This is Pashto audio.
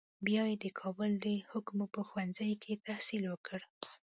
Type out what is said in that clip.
بیا یې د کابل د حکامو په ښوونځي کې تحصیل وکړ.